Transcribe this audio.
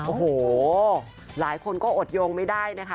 โอ้โหหลายคนก็อดโยงไม่ได้นะคะ